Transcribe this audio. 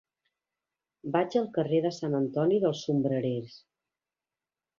Vaig al carrer de Sant Antoni dels Sombrerers.